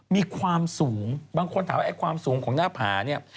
มีความสูงบางคนถามว่าไอ้ความสูงของหน้าผาเนี่ย